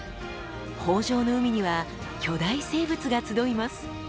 豊じょうの海には巨大生物が集います。